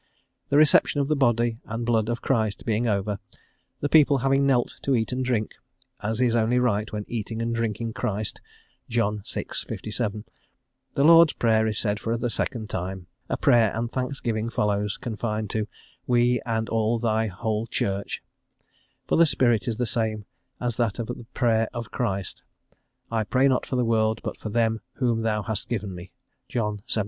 The reception of the Body and Blood of Christ being over, the people having knelt to eat and drink, as is only right when eating and drinking Christ (John vi. 57), the Lord's Prayer is said for the second time, a prayer and thanksgiving follows, confined to "we and all thy whole Church," for the spirit is the same as that of the prayer of Christ, "I pray not for the world, but for them whom thou hast given me" (John xvii.